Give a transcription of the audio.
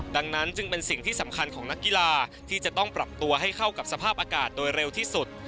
ดังนั้นจึงเป็นสิ่งที่สำคัญของนักกีฬาที่จะต้องปรับตัวให้เข้ากับสภาพอากาศโดยเร็วที่สุด